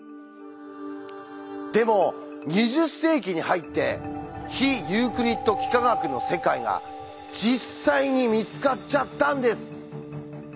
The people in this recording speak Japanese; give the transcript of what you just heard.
でも２０世紀に入って非ユークリッド幾何学の世界が実際に見つかっちゃったんです。